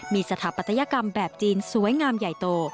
มีสถาปัตยกรรมแบบจีนสวยงามใหญ่โต